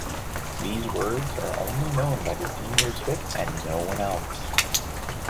These words are only known by the Senior Sticks and no one else.